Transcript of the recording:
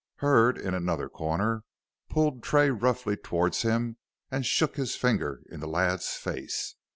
Hurd, in another corner, pulled Tray roughly towards him, and shook his finger in the lad's face.